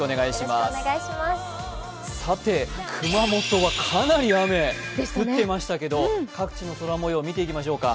熊本はかなり雨降ってましたけど、各地の空模様見ていきましょうか。